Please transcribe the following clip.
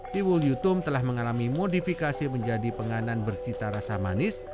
tiwul yutum telah mengalami modifikasi menjadi penganan bercita rasa manis